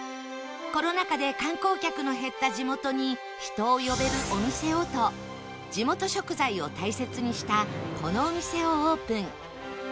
コロナ禍で観光客の減った地元に人を呼べるお店をと地元食材を大切にしたこのお店をオープン